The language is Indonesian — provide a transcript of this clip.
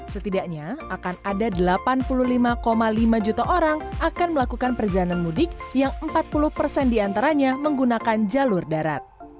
setidaknya akan ada delapan puluh lima lima juta orang akan melakukan perjalanan mudik yang empat puluh diantaranya menggunakan jalur darat